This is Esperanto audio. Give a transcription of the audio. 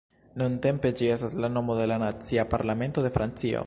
Nuntempe ĝi estas la nomo de la nacia parlamento de Francio.